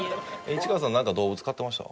市川さんなんか動物飼ってました？